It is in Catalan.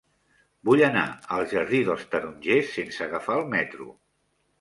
Vull anar al jardí dels Tarongers sense agafar el metro.